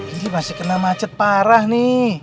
ini masih kena macet parah nih